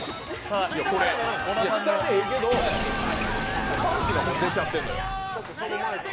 下でええけど、パンチが出ちゃってんのよ。